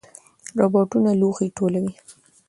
روباټونه لوښي ټولوي.